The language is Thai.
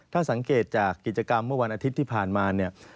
ถ้าสังเกตจากกิจกรรมเมื่อวันอาทิตย์ที่ผ่านมาเนี่ย